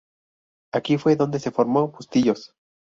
Aquí fue donde se formó Bustillos.